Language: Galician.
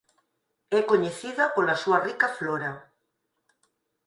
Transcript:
É coñecida pola súa rica flora.